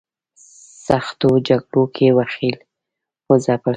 سختو جګړو کې وځپل.